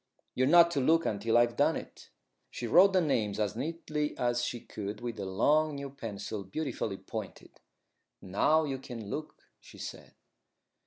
You're not to look until I've done it." She wrote the name as neatly as she could with a long new pencil, beautifully pointed. "Now you can look," she said.